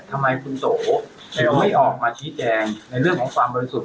ทำไมคุณโสไม่ออกมาชี้แจงในเรื่องของความบริสุทธิ์